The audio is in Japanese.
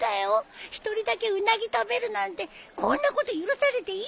１人だけウナギ食べるなんてこんなこと許されていいの？